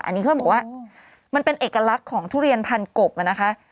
อันนี้เขาบอกว่ามันเป็นเอกลักษณ์ของทุเรียนพันกบนะคะ